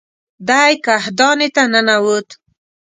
دی کاهدانې ته ننوت.